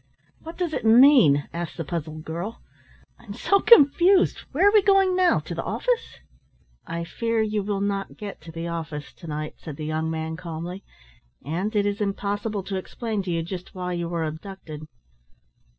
"What does it mean?" asked the puzzled girl. "I'm so confused where are we going now? To the office?" "I fear you will not get to the office to night," said the young man calmly, "and it is impossible to explain to you just why you were abducted."